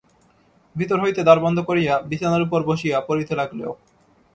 ভিতর হইতে দ্বার বন্ধ করিয়া বিছানার উপর বসিয়া পড়িতে লাগিল।